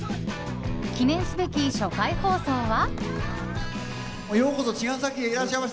記念すべき初回放送は。